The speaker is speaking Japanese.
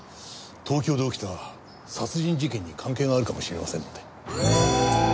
東京で起きた殺人事件に関係があるかもしれませんので。